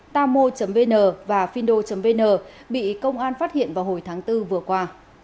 tamo vn và findo vn bị công an phát hiện vào hồi tháng bốn vừa qua